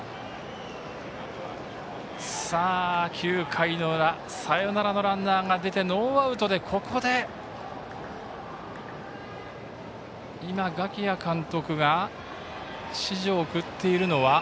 さあ、９回の裏サヨナラのランナーが出てノーアウトでここで我喜屋監督が指示を送っているのは。